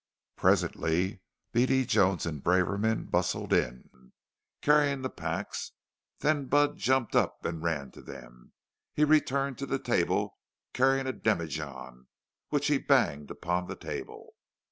Presently Beady Jones and Braverman bustled in, carrying the packs. Then Budd jumped up and ran to them. He returned to the table, carrying a demijohn, which he banged upon the table.